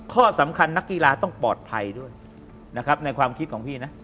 ข้อสำคัญนักกีฬาต้องปลอดภัยด้วยนะครับในความคิดของพี่นะ